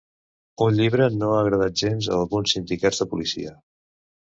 Un llibre no ha agradat gens a alguns sindicats de policia